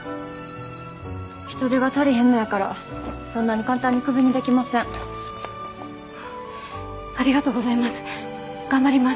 人手が足りへんのやからそんなに簡単にクビにできませんありがとうございます頑張ります